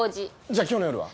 じゃあ今日の夜は？